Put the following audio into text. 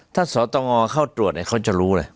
ถ้าสตงเข้าตรวจเนี่ยเขาจะรู้เลย